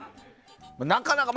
なかなか。